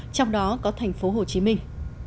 trong đó có thành phố hồ chí minh